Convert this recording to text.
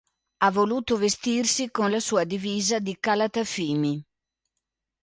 Ha voluto vestirsi con la sua divisa di Calatafimi.